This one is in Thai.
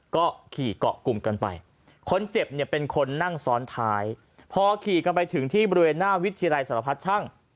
ก็ขี่เกาะกลุ่มกันไปคนเจ็บเนี่ยเป็นคนนั่งซ้อนท้ายพอขี่กันไปถึงที่บริเวณหน้าวิทยาลัยสารพัดช่าง